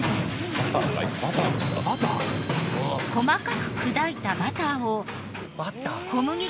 細かく砕いたバターを。